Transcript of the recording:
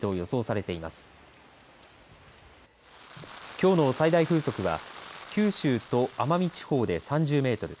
きょうの最大風速は九州と奄美地方で３０メートル